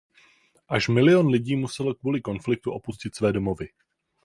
Až milion lidí muselo kvůli konfliktu opustit své domovy.